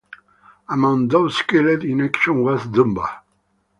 Among those killed in action was Dunbar.